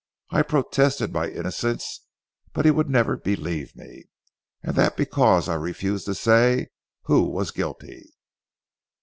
I protested my innocence; but he would never believe me. And that because I refused to say who was guilty."